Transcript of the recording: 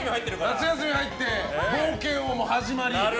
夏休み入って冒険王も始まり。